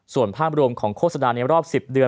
ส่วนภาพรวมของโฆษณาในรอบ๑๐เดือน